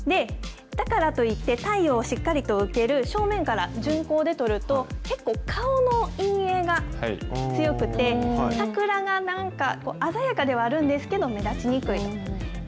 だからといって太陽をしっかりと受ける正面から順光で撮ると、結構、顔の陰影が強くて、桜がなんかこう、鮮やかではあるんですけど、目立ちにくい。